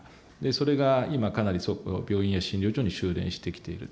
それが今、かなり病院や診療所にしゅうれんしてきている。